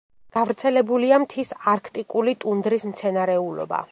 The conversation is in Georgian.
გავრცელებულია მთის არქტიკული ტუნდრის მცენარეულობა.